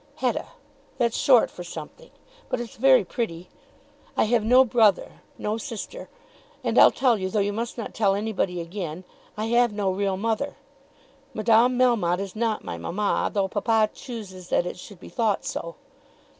"Hetta; that's short for something. But it's very pretty. I have no brother, no sister. And I'll tell you, though you must not tell anybody again; I have no real mother. Madame Melmotte is not my mamma, though papa chooses that it should be thought so."